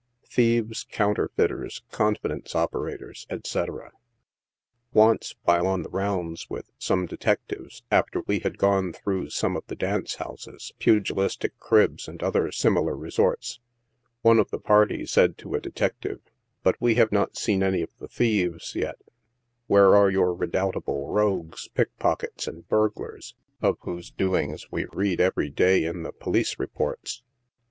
THIEVES, COUNTERFEITERS, CONFIDENCE OPERATORS, ETC. Once, while on the rounds with some detectives, after we had gone through some of the dance houses, pugilistic cribs, and other similar resorts, one of the party said to a detective, " but we have not seen any of the thieves, yet ; where are your redoubtable rogues, pickpockets and burglars, of whose doings we read every day in the police reports